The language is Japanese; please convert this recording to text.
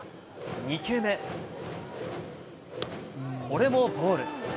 ２球目、これもボール。